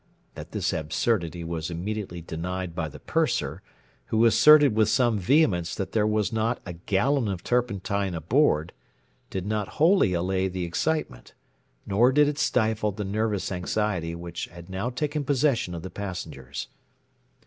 That this absurdity was immediately denied by the purser, who asserted with some vehemence that there was not a gallon of turpentine aboard, did not wholly allay the excitement, nor did it stifle the nervous anxiety which had now taken possession of the passengers.